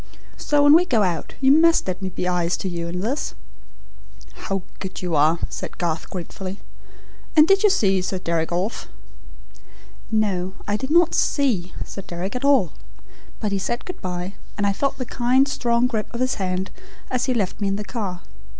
So when we go out you must let me be eyes to you in this." "How good you are!" said Garth, gratefully. "And did you see Sir Deryck off?" "No. I did not SEE Sir Deryck at all. But he said good bye, and I felt the kind, strong grip of his hand as he left me in the car.